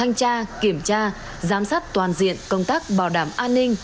tổng thanh kiểm tra kiểm tra giám sát toàn diện công tác bảo đảm an ninh